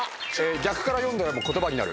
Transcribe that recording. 逆から読んでも言葉になる。